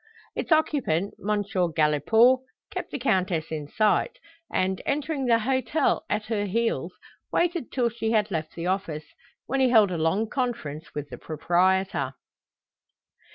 Its occupant, M. Galipaud, kept the Countess in sight, and, entering the hotel at her heels, waited till she had left the office, when he held a long conference with the proprietor.